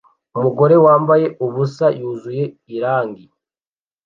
Umugore wambaye ubusa yuzuye irangi